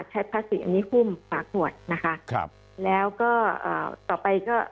พลาสติกอันนี้หุ้มฝาขวดนะคะครับแล้วก็อ่าต่อไปก็